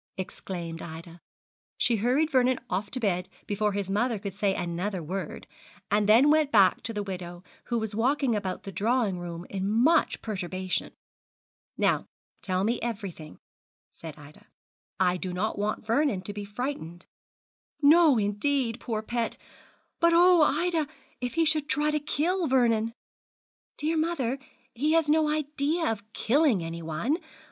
exclaimed Ida. She hurried Vernon off to bed before his mother could say another word, and then went back to the widow, who was walking about the drawing room in much perturbation. 'Now tell me everything,' said Ida; 'I did not want Vernon to be frightened.' 'No, indeed, poor pet. But oh! Ida, if he should try to kill Vernon!' 'Dear mother, he has no idea of killing anyone.